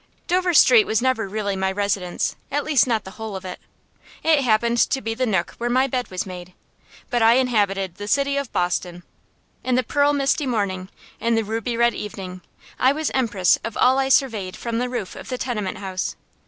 Dover Street was never really my residence at least, not the whole of it. It happened to be the nook where my bed was made, but I inhabited the City of Boston. In the pearl misty morning, in the ruby red evening, I was empress of all I surveyed from the roof of the tenement house.